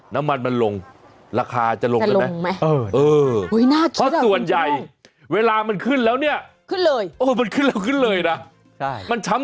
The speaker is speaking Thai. น้ำมันมันลงราคาจะลงได้ไหม